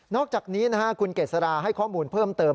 อกจากนี้คุณเกษราให้ข้อมูลเพิ่มเติม